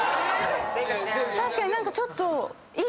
確かに何かちょっと。